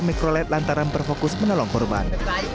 dan mengejar mikrolet lantaran berfokus menolong korban